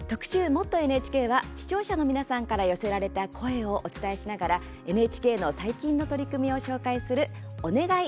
「もっとＮＨＫ」は視聴者の皆さんから寄せられた声をお伝えしながら、ＮＨＫの最近の取り組みを紹介する「おねがい！